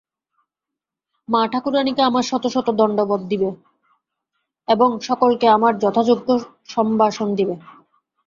মা-ঠাকুরাণীকে আমার শত শত দণ্ডবৎ দিবে এবং সকলকে আমার যথাযোগ্য সম্ভাষণ দিবে।